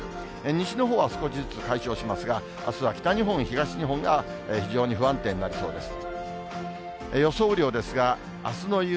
西のほうは少しずつ解消しますが、あすは北日本、東日本が非常に不安定になりそうです。